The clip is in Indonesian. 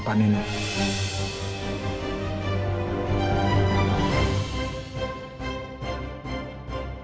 karena biar bagaimanapun